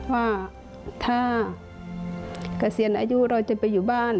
ว่าถ้าเกษียณอายุเราจะไปอยู่บ้าน